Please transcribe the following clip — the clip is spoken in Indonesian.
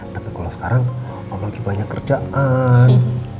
tapi kalau sekarang om lagi banyak kerjaan